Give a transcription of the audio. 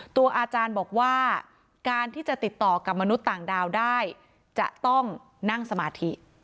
ตัวอาจารย์บอกว่าการที่จะติดต่อกับมนุษย์ต่างดาวได้จะต้องนั่งสมาธิ